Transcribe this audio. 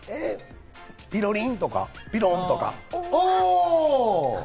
ピロリンとかピロンとか。